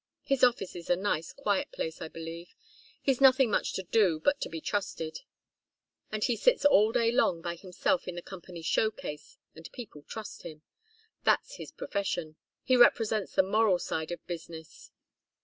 His office is a nice, quiet place, I believe. He's nothing much to do but to be trusted, and he sits all day long by himself in the company's showcase, and people trust him. That's his profession. He represents the moral side of business.